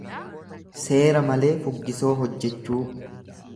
Seera malee fuggisoo hojjechuu.